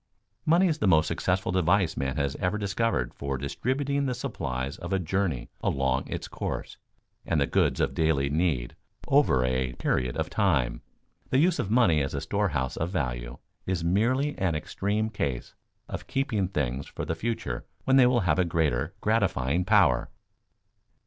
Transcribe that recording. Money is the most successful device man has ever discovered for distributing the supplies of a journey along its course, and the goods of daily need over a period of time. The use of money as a storehouse of value is merely an extreme case of keeping things for the future when they will have a greater gratifying power.